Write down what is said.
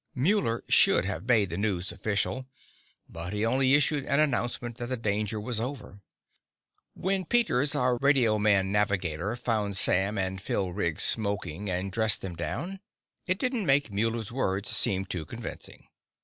Muller should have made the news official, but he only issued an announcement that the danger was over. When Peters, our radioman navigator, found Sam and Phil Riggs smoking and dressed them down, it didn't make Muller's words seem too convincing.